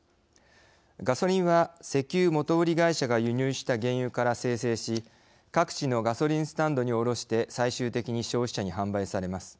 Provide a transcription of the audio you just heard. ガソリンは石油元売り会社が輸入した原油から精製し各地のガソリンスタンドに卸して最終的に消費者に販売されます。